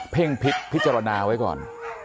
เพิ่งพิษพิจารณาไว้ก่อน